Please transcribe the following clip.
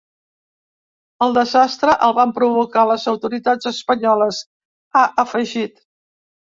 El desastre, el van provocar les autoritats espanyoles, ha afegit.